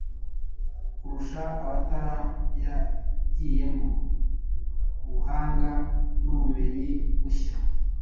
kurusha abatarayagiyemo, ubuhanga n'ubumenyi bushya.